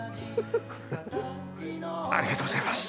ありがとうございます。